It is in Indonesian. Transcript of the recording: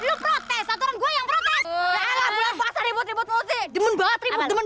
udah dong jangan